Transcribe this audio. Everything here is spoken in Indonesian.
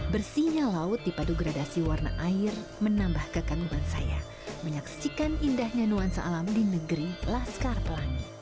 bersihnya laut dipadu gradasi warna air menambah kekaguman saya menyaksikan indahnya nuansa alam di negeri laskar pelangi